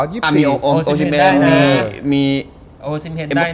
โอซิมเฮ็นได้นะ